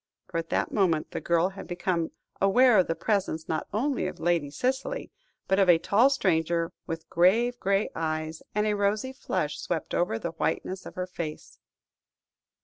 For, at that moment, the girl had become aware of the presence, not only of Lady Cicely, but of a tall stranger with grave grey eyes, and a rosy flush swept over the whiteness of her face.